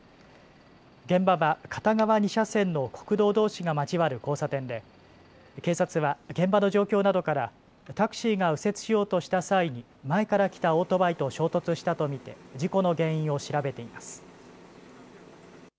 現場は片側２車線の国道どうしが交わる交差点で警察は現場の状況などからタクシーが右折しようとした際に前から来たオートバイと衝突したと見て事故の原因を調べています。